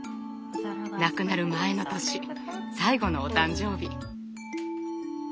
亡くなる前の年最後のお誕生日。